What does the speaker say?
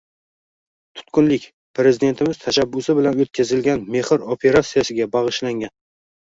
"Tutqunlik" Prezidentimiz tashabbusi bilan o’tkazilfan «Mehr» operatsiyasiga bag‘ishlangan.